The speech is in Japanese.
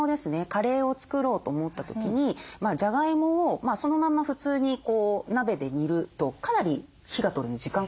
カレーを作ろうと思った時にジャガイモをそのまま普通に鍋で煮るとかなり火が通るのに時間かかりますよね。